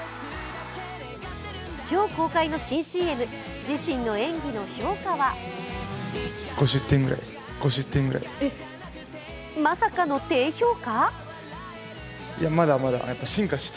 今日公開の新ＣＭ、自身の演技の評価はまさかの低評価？